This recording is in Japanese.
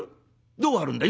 どう張るんだ？」。